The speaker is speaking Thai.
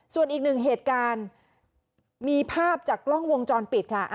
ส่วนอีกหนึ่งเหตุการณ์มีภาพจากกล้องวงจรปิดค่ะ